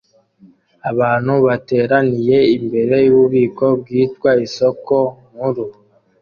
Abantu bateraniye imbere yububiko bwitwa isoko nkuru